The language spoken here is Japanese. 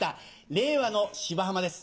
令和の『芝浜』です